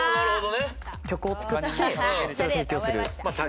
曲を作ってそれを提供する。